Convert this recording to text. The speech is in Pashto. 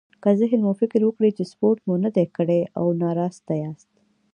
که ذهن مو فکر وکړي چې سپورت مو نه دی کړی او ناراسته ياست.